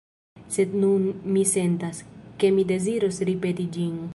Sed nun mi sentas, ke mi deziros ripeti ĝin.